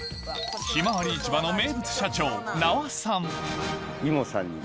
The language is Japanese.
ひまわり市場の名物社長イモトさんに。